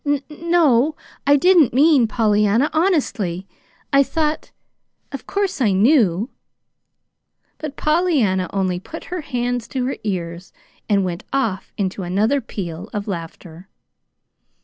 "N no, I didn't mean Pollyanna, honestly, I thought of course I knew " But Pollyanna only put her hands to her ears and went off into another peal of laughter.